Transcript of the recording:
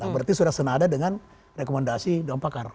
berarti sudah senada dengan rekomendasi dewan pakar